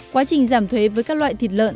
quá trình giảm thuế với các loại thịt lợn